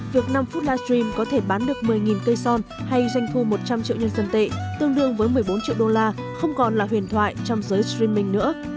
việc năm phút livestream có thể bán được một mươi cây son hay doanh thu một trăm linh triệu nhân dân tệ tương đương với một mươi bốn triệu đô la không còn là huyền thoại trong giới streaming nữa